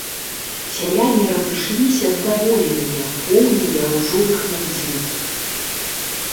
Сяляне разышліся здаволеныя, поўныя ружовых надзей.